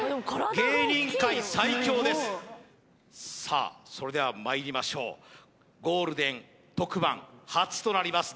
芸人界最強ですさあそれではまいりましょうゴールデン特番初となります